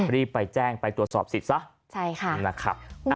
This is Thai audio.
รีบไปแจ้งไปตรวจสอบสิทธิ์ซะนะครับ